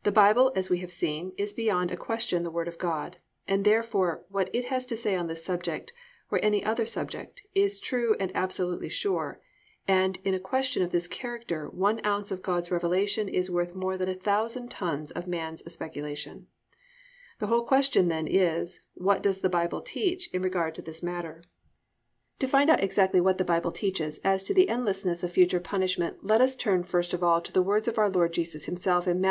_ The Bible, as we have seen, is beyond a question the Word of God, and therefore what it has to say on this subject, or any other subject, is true and absolutely sure, and in a question of this character one ounce of God's revelation is worth more than a thousand tons of man's speculation. The whole question then is, what does the Bible teach in regard to this matter? I. WHAT THE BIBLE TEACHES REGARDING THE ENDLESSNESS OF FUTURE PUNISHMENT 1. To find out exactly what the Bible teaches as to the endlessness of future punishment let us turn first of all to the words of our Lord Jesus Himself in Matt.